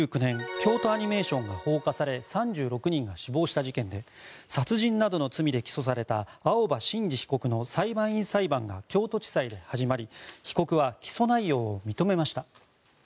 京都アニメーションが放火され３６人が死亡した事件で殺人などの罪で起訴された青葉真司被告の裁判員裁判が京都地裁で始まり被告は起訴内容を認めました。